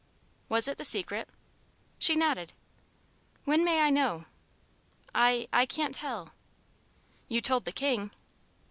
"Was it the Secret?" She nodded. "When may I know?" "I I can't tell." "You told the King."